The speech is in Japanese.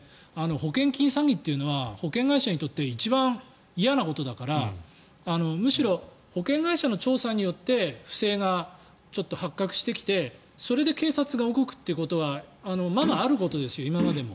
保険金詐欺というのは保険会社にとって一番嫌なことだからむしろ、保険会社の調査によって不正が発覚してきてそれで警察が動くということはままあることですよ、今までも。